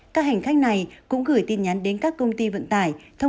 các hành khách này cũng gửi tin nhắn đến các công ty vận tải